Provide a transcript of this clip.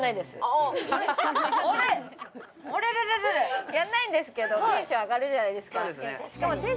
あれれれれやんないんですけどテンション上がるじゃないですかそうですね